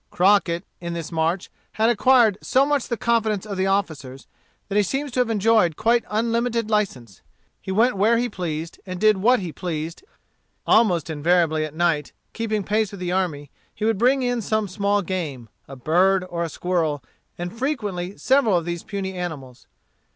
Crockett, in this march, had acquired so much the confidence of the officers that he seems to have enjoyed quite unlimited license. He went where he pleased and did what he would. Almost invariably at night, keeping pace with the army, he would bring in some small game, a bird or a squirrel, and frequently several of these puny animals.